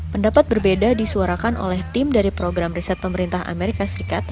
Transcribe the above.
pendapat berbeda disuarakan oleh tim dari program riset pemerintah amerika serikat